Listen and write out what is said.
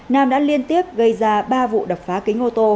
nam đã liên tiếp gây ra ba vụ đập phá kính ô tô